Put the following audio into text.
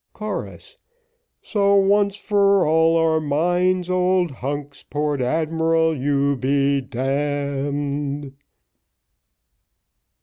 Chorus. So once for all our mind, old hunks, Port Admiral you be d d.